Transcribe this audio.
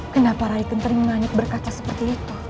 kenapa rai kenterimanik berkata seperti itu